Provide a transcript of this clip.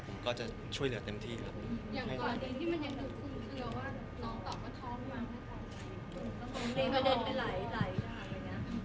ผมก็จะช่วยเหลือเต็มที่ครับ